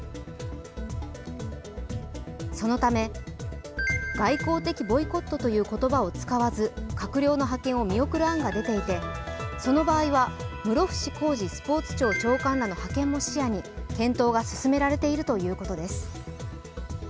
そのため、外交的ボイコットという言葉を使わず閣僚の派遣を見送る案が出ていて、その場合は室伏広治スポーツ庁長官らの派遣も視野に検討が進められているということです。